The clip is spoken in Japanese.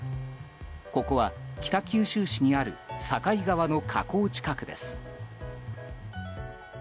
ここは、北九州市にある境川の河口近くです。